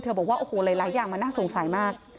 บอกว่าโอ้โหหลายอย่างมันน่าสงสัยมาก